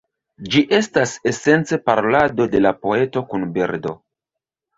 Ĝi estas esence parolado de la poeto kun birdo.